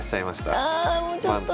ああもうちょっと。